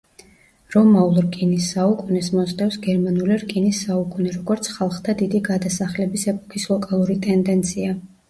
რომაულ რკინის საუკუნეს მოსდევს გერმანული რკინის საუკუნე როგორც ხალხთა დიდი გადასახლების ეპოქის ლოკალური ტენდენცია.